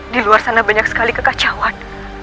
di luar sana banyak sekali kekacauan